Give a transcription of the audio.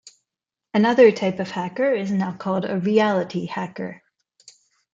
Another type of hacker is now called a reality hacker.